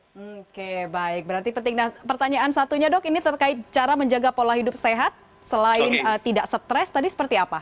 oke baik berarti penting nah pertanyaan satunya dok ini terkait cara menjaga pola hidup sehat selain tidak stres tadi seperti apa